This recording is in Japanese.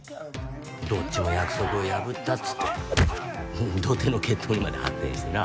どっちも約束を破ったっつって土手の決闘にまで発展してな。